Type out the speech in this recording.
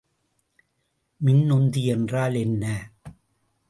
மின் உந்தி என்றால் என்ன?